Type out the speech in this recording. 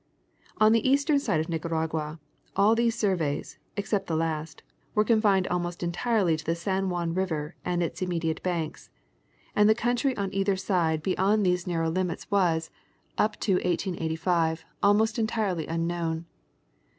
On the eastern side of Nicaragua, all these surveys (except the last), were confined almost entirely to the San Juan river, and its immediate banks ; and the country on either side beyond these 320 National GeogTajphic Magazine. narrow limits was, up to 1885, almost entirely unknown.